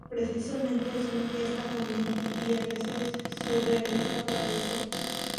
Precisamente, es una fiesta cambiante y, a veces, surrealista para los ojos.